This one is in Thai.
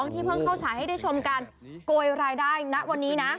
ที่เพิ่งเข้าฉายให้ได้ชมการโกยรายได้ณวันนี้นะ